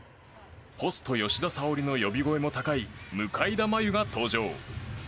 ポスト吉田沙保里の呼び声高い向田真優が登場。